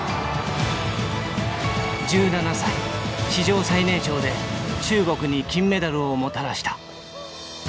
１７歳史上最年少で中国に金メダルをもたらした。